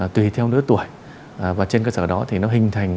tùy theo lứa tuổi và trên cơ sở đó thì nó hình thành